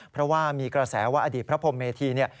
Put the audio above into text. เพราะว่ามีกระแสว่าอดีตพระพรมเมธีเนี่ย